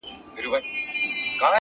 د انسانانو جهالت له موجه- اوج ته تللی-